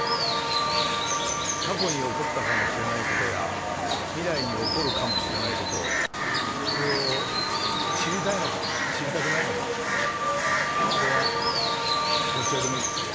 過去に起こったかもしれないことや未来に起こるかもしれないことそれを知りたいのか知りたくないのかそれはどちらでもいい。